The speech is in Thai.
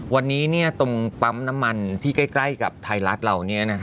วันนี้ตรงปั๊มน้ำมันที่ใกล้กับไทยรัฐเรา